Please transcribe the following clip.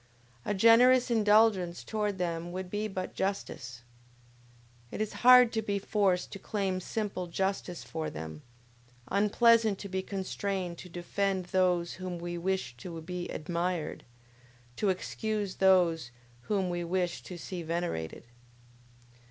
A generous indulgence towards them would be but justice! It is hard to be forced to claim simple justice for them; unpleasant to be constrained to defend those whom we wish to be admired, to excuse those whom we wish to see venerated!